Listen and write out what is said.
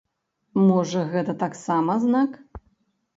Можа гэта таксама знак?